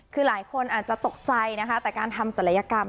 คือหลายคนอาจจะตกใจนะคะแต่การทำศัลยกรรม